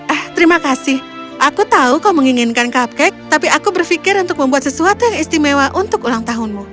eh terima kasih aku tahu kau menginginkan cupcake tapi aku berpikir untuk membuat sesuatu yang istimewa untuk ulang tahunmu